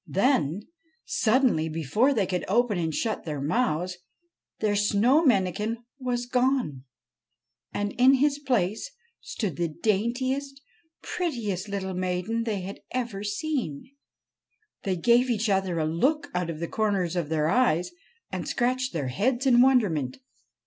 Then, suddenly, before they could open and shut their mouths, their snow mannikin was gone, and in his place stood the daintiest, prettiest little maiden they had ever seen. They gave each other a look out of the corners of their eyes, and scratched their heads in wonderment.